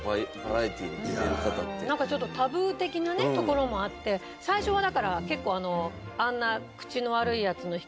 なんかちょっとタブー的なねところもあって最初はだから結構あんな。